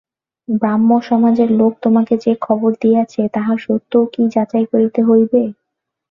ব্রাহ্মসমাজের লোক তোমাকে যে খবর দিয়াছে তাহার সত্যও কি যাচাই করিতে হইবে!